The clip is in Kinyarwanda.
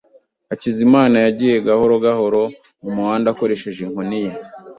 Hakizimana yagiye gahoro gahoro mumuhanda akoresheje inkoni ye.